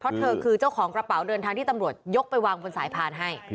เพราะเธอคือเจ้าของกระเป๋าเดินทางที่ตำรวจยกไปวางบนสายพานให้